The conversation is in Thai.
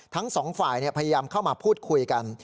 ทั้งสองฝ่ายพยายามเข้ามาพูดคุยกัน